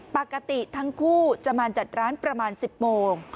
ปกติทั้งคู่จะมาจัดร้านประมาณ๑๐โมง